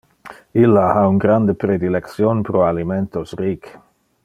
Illa ha un grande predilection pro alimentos ric.